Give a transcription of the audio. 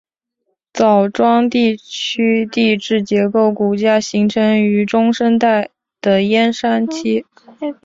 枣庄地区地质构造骨架形成于中生代的燕山期。